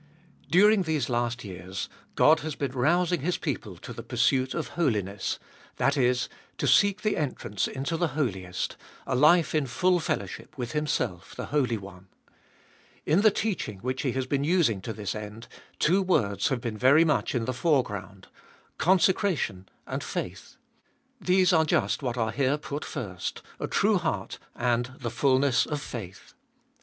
During these last years God has been rousing His people to 372 Ebe ibolfest of nil the pursuit of holiness — that is, to seek the entrance into the Holiest, a life in full fellowship with Himself, the Holy One. In the teaching which He has been using to this end, two words have been very much in the foreground — Consecration and Faith. These are just what are here put first — a true heart and the fulness of faith.